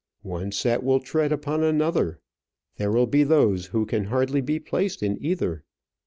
One set will tread upon another. There will be those who can hardly be placed in either.